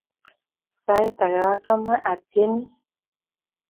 Sait ake achame atyeni